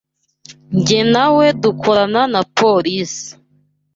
Jye na We dukorana police.